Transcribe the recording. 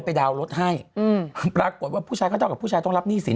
ไปดาวรถให้ตราบบอกว่าผู้ชายก็ต้องกินแรกต้องรับหนี้สิน